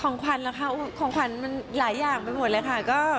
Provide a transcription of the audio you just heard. ของขวัญเหรอคะของขวัญมันหลายอย่างไปหมดเลยค่ะ